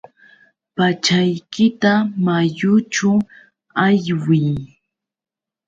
Pachaykita mayućhu aywiy.